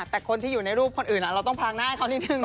แต่คนที่อยู่ในรูปคนอื่นเราต้องพังหน้าให้เขานิดนึง